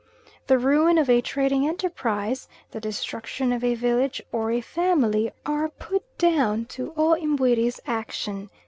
The ruin of a trading enterprise, the destruction of a village or a family, are put down to O Mbuiri's action.